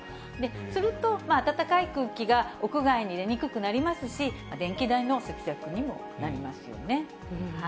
すると、暖かい空気が屋外に出にくくなりますし、電気代の節約にもなりますよね。